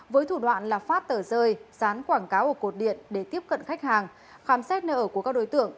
với thủ đoạn là phát tờ rơi sán quảng cáo ở cột điện để tiếp cận khách hàng khám xét nợ của các đối tượng